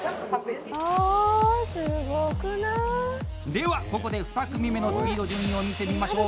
では、ここで２組目のスピード順位を見てみましょう。